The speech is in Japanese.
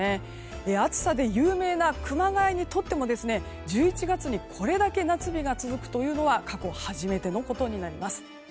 暑さで有名な熊谷にとっても１１月にこれだけ夏日が続くというのは過去初めてのことになります。